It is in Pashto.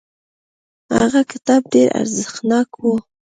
هغه کتاب ډیر ارزښتناک و.